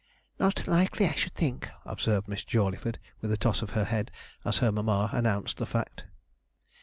'Not likely, I should think,' observed Miss Jawleyford, with a toss of her head, as her mamma announced the fact.